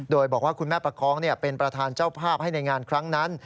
โดยบอกว่าคุณแม่ประคองเป็นประธานเจ้าภาพให้ในงานครั้งนั้น